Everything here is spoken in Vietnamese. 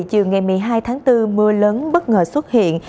chiều ngày một mươi hai tháng bốn mưa lớn bất ngờ xuất hiện